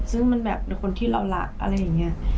ซึ่งมันแบบเป็นคนที่เรารักอะไรอย่างนี้